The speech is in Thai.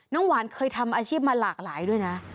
หวานเคยทำอาชีพมาหลากหลายด้วยนะ